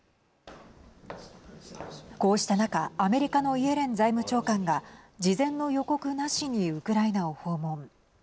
こうした中アメリカのイエレン財務長官が事前の予告なしにウクライナを訪問。